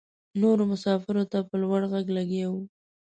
نورو مساپرو ته په لوړ غږ لګیا وه.